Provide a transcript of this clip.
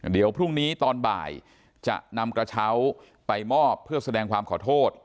เดี๋ยวพรุ่งนี้ตอนบ่ายจะนำกระเช้าไปมอบเพื่อแสดงความขอโทษ